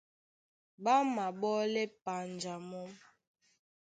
Ɓá máɓɔ́lɛ panja mɔ́.